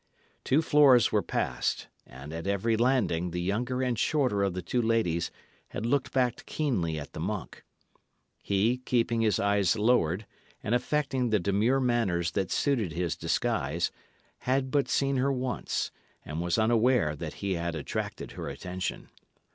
Two floors were passed, and at every landing the younger and shorter of the two ladies had looked back keenly at the monk. He, keeping his eyes lowered, and affecting the demure manners that suited his disguise, had but seen her once, and was unaware that he had attracted her attention.